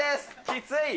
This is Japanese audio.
きつい。